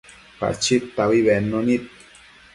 Pachid taui bednu nid